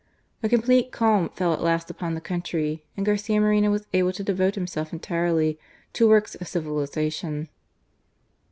A complete calm fell at last upon the country, and Garcia Moreno was able to devote himself entirely to works of civilization.